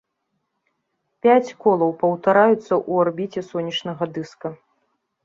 Пяць колаў паўтараюцца ў арбіце сонечнага дыска.